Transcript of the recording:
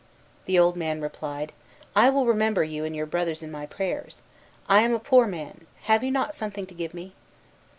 The old man replied, "I will remember you and your brothers in my prayers. I am a poor man, have you not something to give me?"